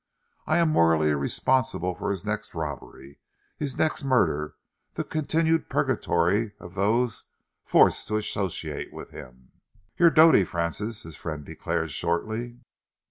I am morally responsible for his next robbery, his next murder, the continued purgatory of those forced to associate with him." "You're dotty, Francis," his friend declared shortly.